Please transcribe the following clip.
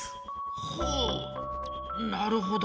ほうなるほど。